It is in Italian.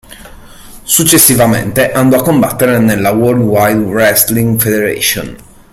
Successivamente andò a combattere nella World Wide Wrestling Federation.